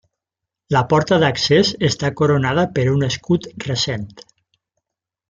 La porta d'accés està coronada per un escut recent.